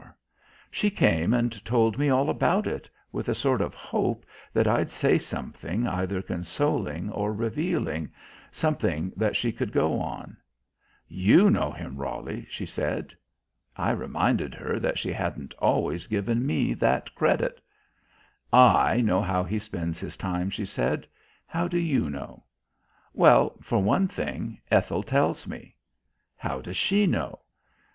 She came and told me all about it, with a sort of hope that I'd say something either consoling or revealing, something that she could go on. "You know him, Roly," she said. I reminded her that she hadn't always given me that credit. "I know how he spends his time," she said. "How do you know?" "Well, for one thing, Ethel tells me." "How does she know?"